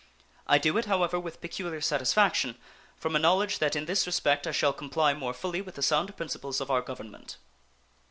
I do it, however, with peculiar satisfaction, from a knowledge that in this respect I shall comply more fully with the sound principles of our Government.